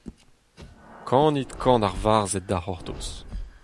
Kanit kan ar varzhed da c'hortoz.